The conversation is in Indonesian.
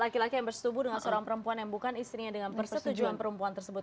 laki laki yang bersetubuh dengan seorang perempuan yang bukan istrinya dengan persetujuan perempuan tersebut